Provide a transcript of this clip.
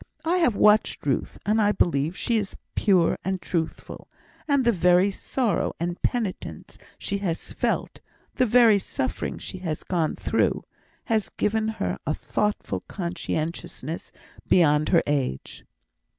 "I have watched Ruth, and I believe she is pure and truthful; and the very sorrow and penitence she has felt the very suffering she has gone through has given her a thoughtful conscientiousness beyond her age."